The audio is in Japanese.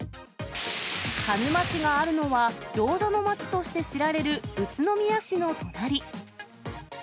鹿沼市があるのは、ギョーザの街として知られる宇都宮市の隣。